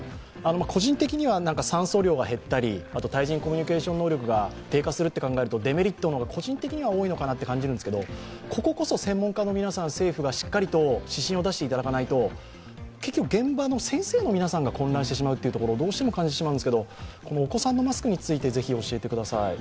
個人的には酸素量が減ったり、対人コミュニケーション能力が低下すると考えるとデメリットの方が多いのかなと感じるんですけどこここそ専門家の皆さん、政府がしっかりと指針を出していただかないと、現場の先生の皆さんが混乱してしまうところをどうしても感じてしまうんですけど、お子さんのマスクについてぜひ教えてください。